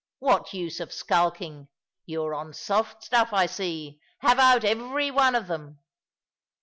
what use of skulking? You are on soft stuff, I see. Have out every one of them."